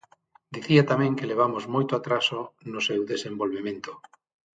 Dicía tamén que levamos moito atraso no seu desenvolvemento.